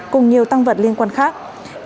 cùng nhiều tăng vật liên quan khác